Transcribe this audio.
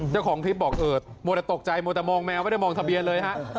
เจ้าของคลิปบอกเออมัวแต่ตกใจมัวแต่มองแมวไม่ได้มองทะเบียนเลยฮะ